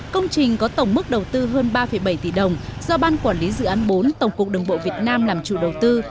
công trình có tổng mức đầu tư hơn ba bảy tỷ đồng do ban quản lý dự án bốn tổng cục đường bộ việt nam làm chủ đầu tư